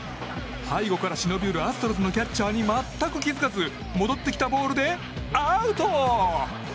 背後から忍び寄るアストロズのキャッチャーに全く気付かず戻ってきたボールでアウト！